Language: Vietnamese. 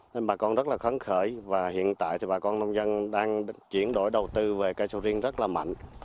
nên bà con rất là phấn khởi và hiện tại thì bà con nông dân đang chuyển đổi đầu tư về cây sầu riêng rất là mạnh